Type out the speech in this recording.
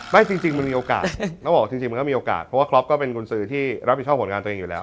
ไม่จริงมันมีโอกาสเพราะว่าครอปเป็นกุญสือที่รับผิดชอบผลการตัวเองอยู่แล้ว